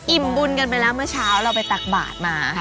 บุญกันไปแล้วเมื่อเช้าเราไปตักบาทมา